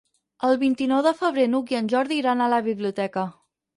El vint-i-nou de febrer n'Hug i en Jordi iran a la biblioteca.